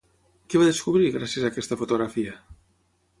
Què va descobrir, gràcies a aquesta fotografia?